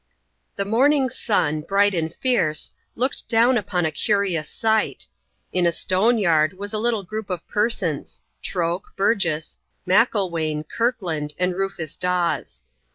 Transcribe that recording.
The morning sun, bright and fierce, looked down upon a curious sight. In a stone yard was a little group of persons Troke, Burgess, Macklewain, Kirkland, and Rufus Dawes.